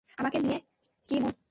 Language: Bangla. আমাকে নিয়ে কি মনে করবে?